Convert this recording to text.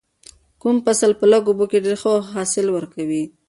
کوم فصل په لږو اوبو کې ډیر او ښه حاصل ورکوي؟